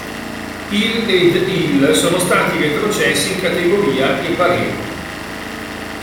Il ed il sono stati retrocessi in Kategoria e Parë.